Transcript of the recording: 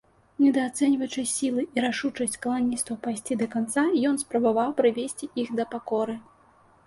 Недаацэньваючы сілы і рашучасць каланістаў пайсці да канца, ён спрабаваў прывесці іх да пакоры.